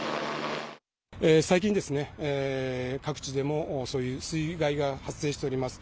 最近ですね、各地でもそういう水害が発生しております。